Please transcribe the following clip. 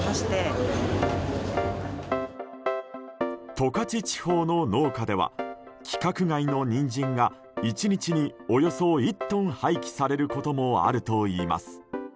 十勝地方の農家では規格外のニンジンが１日におよそ１トン廃棄されることもあるといいます。